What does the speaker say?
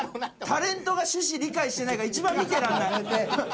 タレントが趣旨理解してないから一番見てられない。